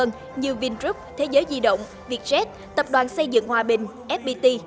như vingroup thế giới di động vietjet tập đoàn xây dựng hòa bình fpt